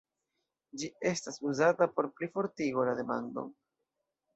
Ĝi estas uzata por plifortigo la demandon.